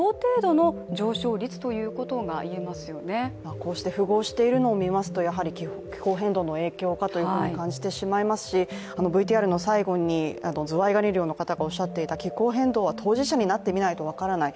こうして符合しているのを見ますと、やはり気候変動の影響かと感じてしまいますしＶＴＲの最後にズワイガニ漁の方がおっしゃっていた、気候変動は当事者になってみないと分からない。